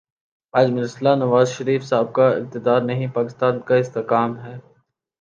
آج مسئلہ نواز شریف صاحب کا اقتدار نہیں، پاکستان کا استحکام ہے۔